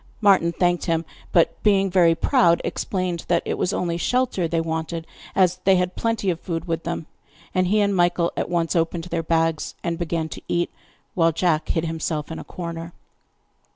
Martin thanked him, but being very proud, explained that it was only shelter they wanted, as they had plenty of food with them; and he and Michael at once opened their bags and began to eat, while Jack hid himself in a corner.